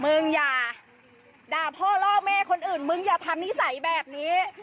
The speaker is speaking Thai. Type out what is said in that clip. มึงอย่าด่าพ่อล่อแม่คนอื่นมึงอย่าทำนิสัยแบบนี้